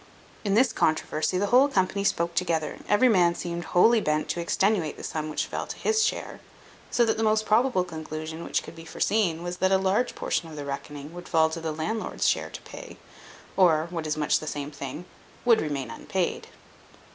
In this controversy the whole company spoke together, and every man seemed wholly bent to extenuate the sum which fell to his share; so that the most probable conclusion which could be foreseen was, that a large portion of the reckoning would fall to the landlord's share to pay, or (what is much the same thing) would remain unpaid.